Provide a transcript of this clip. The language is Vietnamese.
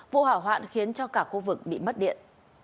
vụ hỏa hoạn khiến cho cả khu vực bị mất điện